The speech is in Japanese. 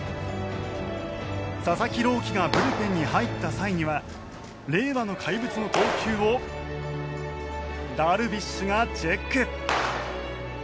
佐々木朗希がブルペンに入った際には令和の怪物の投球をダルビッシュがチェック。